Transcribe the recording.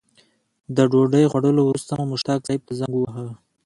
د ډوډۍ خوړلو وروسته مو مشتاق صیب ته زنګ وواهه.